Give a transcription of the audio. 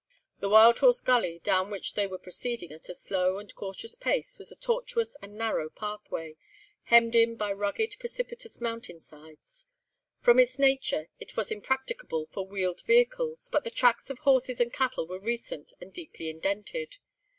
The Wild Horse Gully, down which they were proceeding at a slow and cautious pace, was a tortuous and narrow pathway, hemmed in by rugged precipitous mountain sides. From its nature it was impracticable for wheeled vehicles, but the tracks of horses and cattle were recent and deeply indented.